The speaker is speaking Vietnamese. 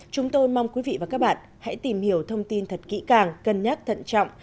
chúng tôi mong quý vị và các bạn hãy tìm hiểu thông tin thật kỹ càng cân nhắc thận trọng